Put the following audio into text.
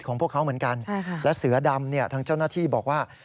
พวกเขาเหมือนกันและเสือดำเนี่ยทางเจ้าหน้าที่บอกว่า